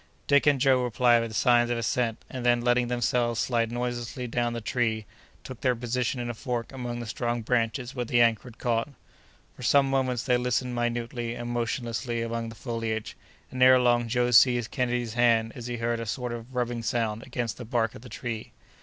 Dick and Joe replied with signs of assent, and then letting themselves slide noiselessly toward the tree, took their position in a fork among the strong branches where the anchor had caught. For some moments they listened minutely and motionlessly among the foliage, and ere long Joe seized Kenedy's hand as he heard a sort of rubbing sound against the bark of the tree.